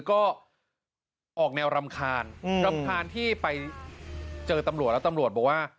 ก็ออกแนวรำคาญรำคาญที่ไปเจอตำรวจแล้วตำรวจบอกว่า